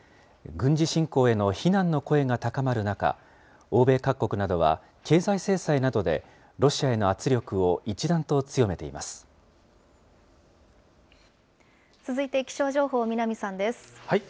軍事侵攻への非難の声が高まる中、欧米各国などは経済制裁などで、ロシアへの圧力を一段と強めてい続いて気象情報、南さんです。